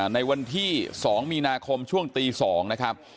ในวันที่๒มีนาคมช่วงตี๒นะครับ